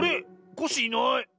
コッシーいない。